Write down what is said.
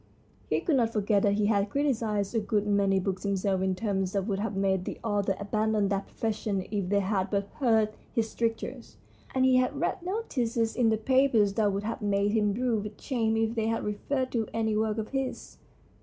He could not THE STORY OF A BOOK 123 forget that he had criticised a good many books himself in terms that would have made the authors abandon their profession if they had but heard his strictures ; and he had read notices in the papers that would have made him droop with shame if they had referred to any work of his.